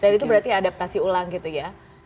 jadi itu berarti adaptasi ulang gitu ya